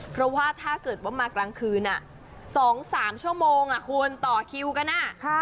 เพราะว่าถ้าเกิดว่ามากลางคืน๒๓ชั่วโมงคุณต่อคิวกัน